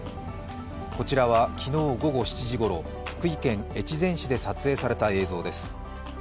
こちらは昨日午後７時ごろ、福井県越前市で撮影された映像です。